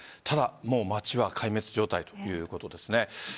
ただ、街は壊滅状態ということですね。